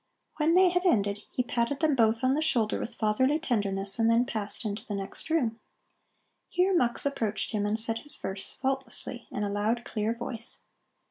When they had ended, he patted them both on the shoulder with fatherly tenderness and then passed into the next room. Here Mux approached him and said his verse faultlessly in a loud, clear voice.